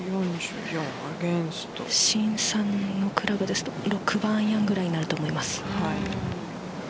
申さんのクラブですと６番アイアンぐらいになると思います。